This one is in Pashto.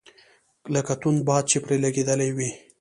لکه توند باد چي پر لګېدلی وي .